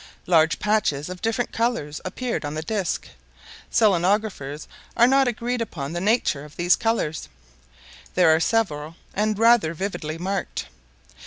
Large patches of different colors appeared on the disc. Selenographers are not agreed upon the nature of these colors. There are several, and rather vividly marked.